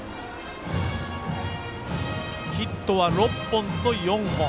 ヒットは６本と４本。